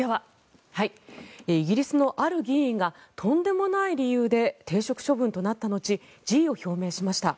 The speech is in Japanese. イギリスのある議員がとんでもない理由で停職処分となった後辞意を表明しました。